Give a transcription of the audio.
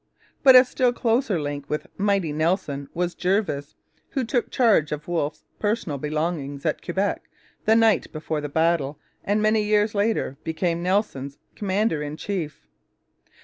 But a still closer link with 'mighty Nelson' was Jervis, who took charge of Wolfe's personal belongings at Quebec the night before the battle and many years later became Nelson's commander in chief.